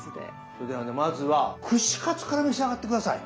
それではねまずは串カツから召し上がって下さい。